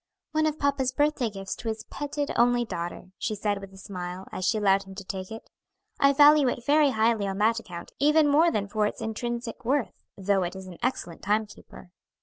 "One of papa's birthday gifts to his petted only daughter," she said, with a smile, as she allowed him to take it. "I value it very highly on that account even more than for its intrinsic worth; though it is an excellent time keeper."